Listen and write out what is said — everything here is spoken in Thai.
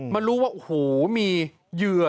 มารู้ว่ามีเหยื่อ